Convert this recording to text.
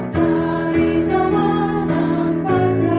perhatikan tanda tanda semua